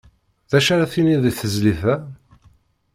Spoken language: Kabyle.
D acu ara tiniḍ di tezlit-a?